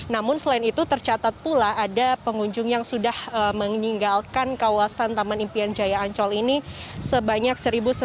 namun selain itu tercatat pula ada pengunjung yang sudah meninggalkan kawasan taman impian jaya ancol ini sebanyak satu sembilan ratus